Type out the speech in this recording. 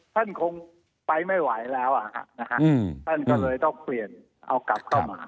ท่านคงไปไม่ไหวแล้วท่านก็เลยต้องเปลี่ยนเอากลับเข้ามา